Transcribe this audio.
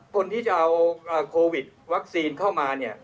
คนที่จะเอาโควิดวัคซีนเข้ามาเนี่ย